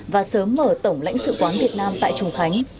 và sớm mở tổng lãnh sự quán việt nam tại trùng khánh